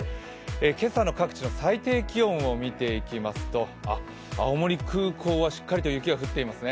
今朝の各地の最低気温を見ていきますと青森空港はしっかりと雪が降ってますね。